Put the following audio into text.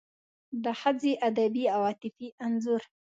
د ښځې ادبي او عاطفي انځور